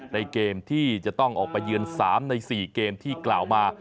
ในเกมที่จะต้องออกไปเยือน๓ใน๔เกมที่กล่าวมา